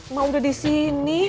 emang udah disini